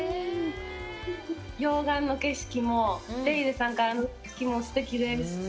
溶岩の景色も、テイデ山からの景色もすてきです。